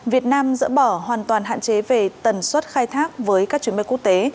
việt nam dỡ bỏ hoàn toàn hạn chế về tần suất khai thác với các chuyến bay quốc tế